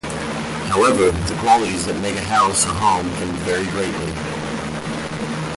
However, the qualities that make a house a home can vary greatly.